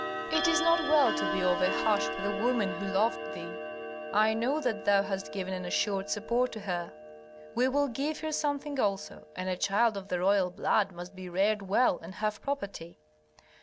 "It is not well to be over harsh with a woman who loved thee. I know that thou hast given an assured support to her. We will give her something also. And a child of the royal blood must be reared well, and have property."